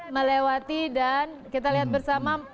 melewati dan kita lihat bersama